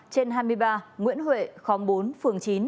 trên hai mươi ba nguyễn huệ khóm bốn phường chín